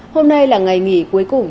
hôm nay là ngày nghỉ cuối cùng